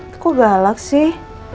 kok galak sih